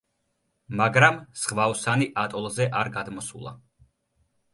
მაგრამ ზღვაოსანი ატოლზე არ გადმოსულა.